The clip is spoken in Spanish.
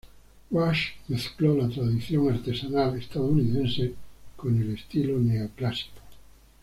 Rush mezcló la tradición artesanal estadounidense con el estilo neoclásico.